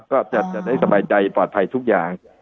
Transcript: ก็จะได้สบายใจปลอดภัยทุกอย่าง